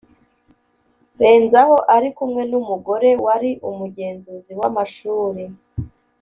Renzaho ari kumwe n’umugore wari umugenzuzi w’amashuri